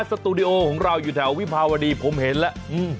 สตูดิโอของเราอยู่แถววิภาวดีผมเห็นแล้ว